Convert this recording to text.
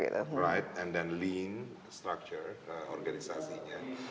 dan kemudian lean struktur organisasinya